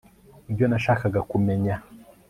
nibyo nashakaga kumenya